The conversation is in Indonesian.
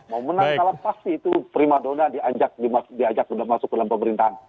mau menang kalah pasti itu prima dona diajak sudah masuk ke dalam pemerintahan